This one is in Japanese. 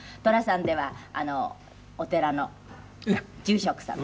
『寅さん』ではお寺の住職さんで。